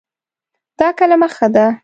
دا کلمه ښه ده